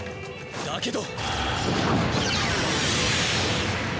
だけど！